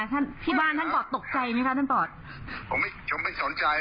ที่บ้านท่านปอดตกใจไหมคะท่านปลอดผมไม่ชมไม่สนใจ